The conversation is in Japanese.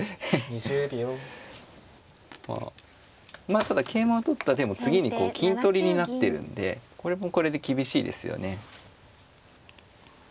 まあまあただ桂馬を取った手も次にこう金取りになってるんでこれもこれで厳しいですよね。